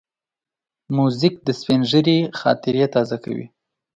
موزیک د سپینږیري خاطرې تازه کوي.